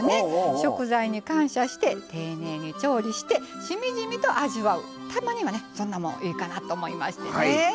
食材に感謝して丁寧に調理してしみじみと味わうたまには、いいかと思いましてね。